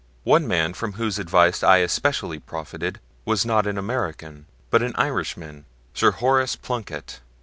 One man from whose advice I especially profited was not an American, but an Irishman, Sir Horace Plunkett.